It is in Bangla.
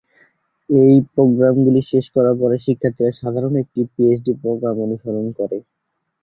এই প্রোগ্রামগুলি শেষ করার পরে, শিক্ষার্থীরা সাধারণত একটি পিএইচডি প্রোগ্রাম অনুসরণ করে।